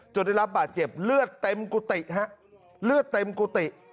ได้รับบาดเจ็บเลือดเต็มกุฏิฮะเลือดเต็มกุฏิ